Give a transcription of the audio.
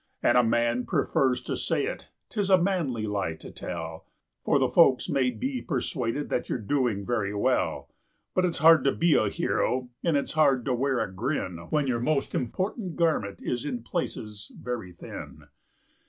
And a man prefers to say it 'tis a manly lie to tell, For the folks may be persuaded that you're doing very well ; But it's hard to be a hero, and it's hard to wear a grin, When your most important garment is in places very thin.